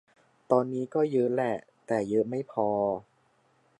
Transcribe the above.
ตอนนี้ก็เยอะแหละ แต่เยอะไม่พอ